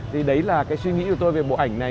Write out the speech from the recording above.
thì đấy là cái suy nghĩ của tôi về bộ ảnh này